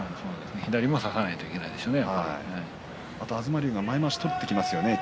左を差さないといけないですね。